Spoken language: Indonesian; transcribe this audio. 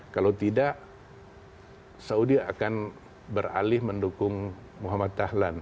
kalau tidak saudi akan beralih mendukung muhammad dahlan